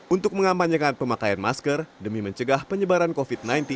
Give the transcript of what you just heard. untuk mengampanyekan pemakaian masker demi mencegah penyebaran covid sembilan belas